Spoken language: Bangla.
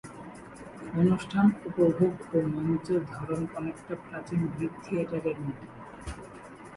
অনুষ্ঠান উপভোগ ও মঞ্চের ধরন অনেকটা প্রাচীন গ্রিক থিয়েটারের মতো।